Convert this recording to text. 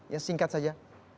ya singkat saja